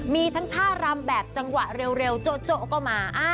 มีทั้งท่ารำแบบจังหวะเร็วโจ๊ก็มา